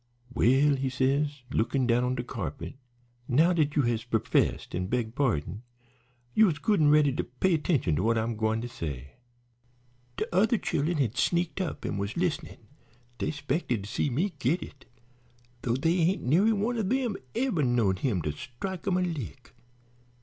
'Well,' he says, lookin' down on de carpet, 'now dat you has perfessed an' beg pardon, you is good an' ready to pay 'tention to what I'm gwine to say.' De other chillen had sneaked up an' was listenin'; dey 'spected to see me git it, though dere ain't nary one of 'em ever knowed him to strike 'em a lick.